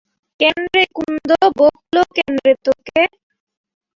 কেন রে কুন্দ, বকল কেন রে তোকে?